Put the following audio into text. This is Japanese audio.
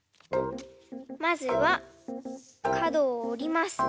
まずはかどをおります。